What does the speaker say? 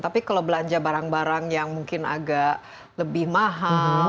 tapi kalau belanja barang barang yang mungkin agak lebih mahal